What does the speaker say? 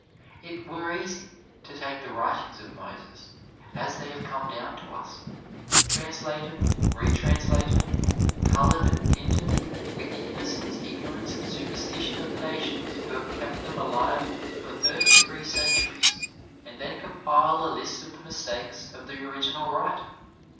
It were easy to take the writings of Moses as they have come down to us, translated, re translated, colored and tinted with the innocence, ignorance and superstition of the nations who have kept them alive for thirty three centuries, and then compile a list of the mistakes of the original writer.